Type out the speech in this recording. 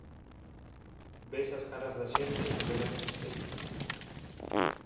Ves as caras da xente e velas tristeiras.